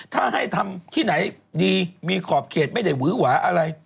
ถ้าให้ทำที่ไหนดีมีขอบเขตไม่ได้หวือหวาอะไร